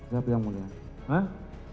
jawab yang mulia